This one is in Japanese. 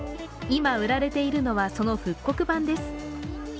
今売られているのはその復刻版です。